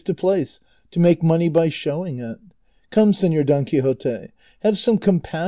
to place to make money by showing it. Come, Seizor Don Quixote, have some compassion 'e.